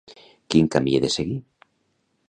Quin camí he de seguir?